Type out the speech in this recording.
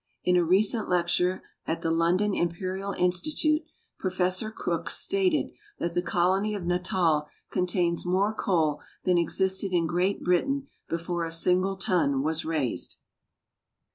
In a recent lecture at the London Imperial Institute, Professor Crookes stated that the colony of Natal contains more coal than existed in Great Britain before a single ton was raised.